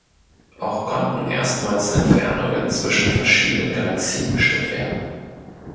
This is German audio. Auch konnten erstmals Entfernungen zwischen verschiedenen Galaxien bestimmt werden.